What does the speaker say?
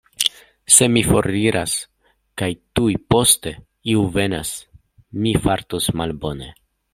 Se mi foriras kaj tuj poste iu venas, mi fartus malbone.